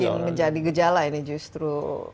ini makin menjadi gejala justru